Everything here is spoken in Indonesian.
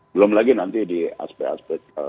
belum lagi nanti di aspek aspek